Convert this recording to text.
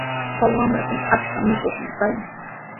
Kay wamrakunaqa achka mikuqmi kayan.